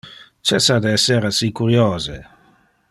Cessa de esser assi curiose.